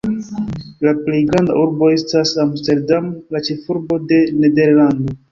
La plej granda urbo estas Amsterdam, la ĉefurbo de Nederlando.